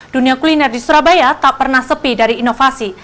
dunia kuliner di surabaya tak pernah sepi dari inovasi